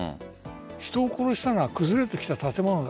人を殺したのは崩れてきた建物だ。